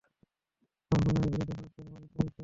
পর্যটকদের বর্ণনা, এর বিরাট এক অংশের পানি সুমিষ্ট ও সুপেয়।